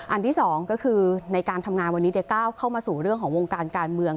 อันที่๒ก็คือในการทำงานวันนี้เดี๋ยวก้าวเข้ามาสู่เรื่องของวงการการเมือง